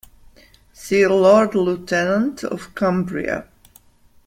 See "Lord Lieutenant of Cumbria".